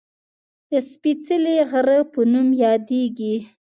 د "سپېڅلي غره" په نوم یادېږي